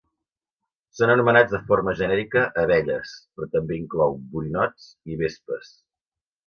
Són anomenats de forma genèrica abelles, però també inclou borinots i vespes.